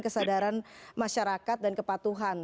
kesadaran masyarakat dan kepatuhan